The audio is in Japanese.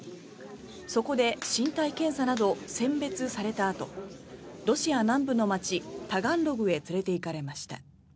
そこで身体検査など選別されたあとロシア南部の街タガンログへ連れていかれました。